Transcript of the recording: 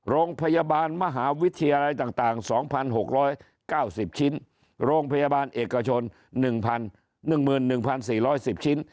โรงพยาบาลมหาวิทยาลัยต่าง๒๖๙๐ชิ้นโรงพยาบาลเอกชน๑๑๑๔๑๐ชิ้น